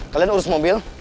kalian urus mobil